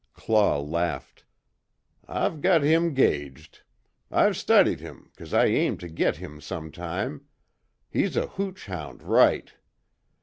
Claw laughed: "I've got him gauged. I've studied him 'cause I aimed to git him sometime. He's a hooch hound right.